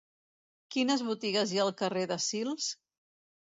Quines botigues hi ha al carrer de Sils?